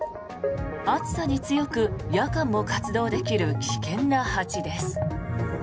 暑さに強く、夜間も活動できる危険な蜂です。